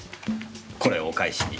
これをお返しに。